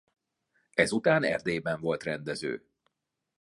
Ezután Erdélyben volt rendező.